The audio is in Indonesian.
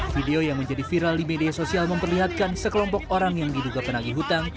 video yang menjadi viral di media sosial memperlihatkan sekelompok orang yang diduga penagih hutang